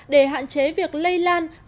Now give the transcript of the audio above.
để hạn chế việc lây lan nhanh